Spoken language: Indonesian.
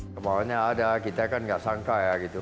kemangannya ada kita kan tidak sangka ya